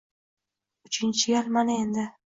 Uchinchi gal... mana endi!